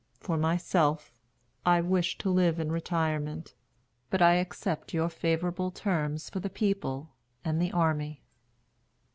For myself, I wish to live in retirement; but I accept your favorable terms for the people and the army."